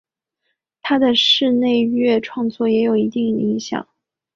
他的室内乐创作也有一定影响。